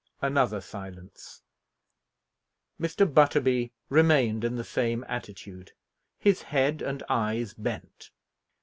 Another silence. Mr. Butterby remained in the same attitude, his head and eyes bent.